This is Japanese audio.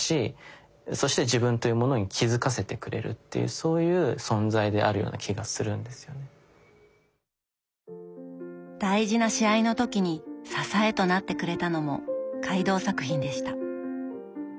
そういう意味で大事な試合の時に支えとなってくれたのも海堂作品でした。